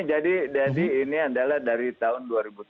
jadi ini adalah dari tahun dua ribu tiga belas